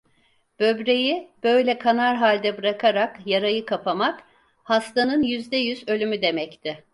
Böbreği böyle kanar halde bırakarak yarayı kapamak, hastanın yüzde yüz ölümü demekti.